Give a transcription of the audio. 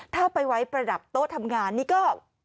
ถ้าไปไว้ประดับโต๊ะทำงานนี่ก็